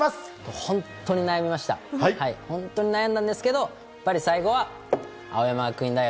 本当に悩んだんですがやっぱり最後は青山学院大学。